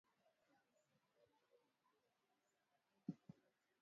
mkanganyiko kuhusu kazi ambazo zinalipasa Kanisa la leo Padri